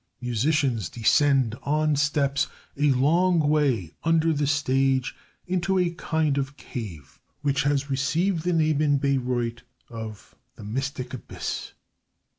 Musicians descend on steps a long way under the stage into a kind of cave, which has received the name in Bayreuth of "the mystic abyss."